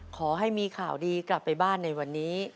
ขอให้มีข่าวดีกลับไปบ้านในวันนี้